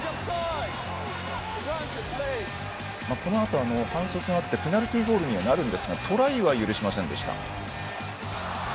このあと、反則があってペナルティーゴールにはなりますがトライは許しませんでした。